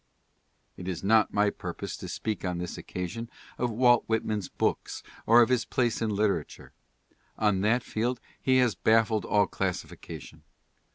It is not my purpose to speak on this occasion of Walt Whit man's books or of his place in literature. On that field he has baffled all classification.